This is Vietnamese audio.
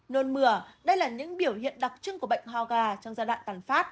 nôn mửa đây là những biểu hiện đặc trưng của bệnh hoa gà trong giai đoạn toàn phát